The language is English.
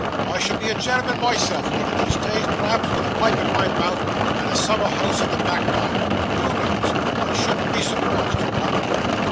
I shall be a gen'l'm'n myself one of these days, perhaps, with a pipe in my mouth, and a summer house in the back garden. Who knows? I shouldn't be surprised for one.